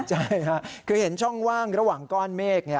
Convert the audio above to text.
ใช่ค่ะคือเห็นช่องว่างระหว่างก้อนเมฆ